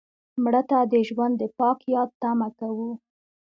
مړه ته د ژوند د پاک یاد تمه کوو